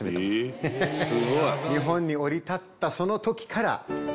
日本に降り立った、その時から。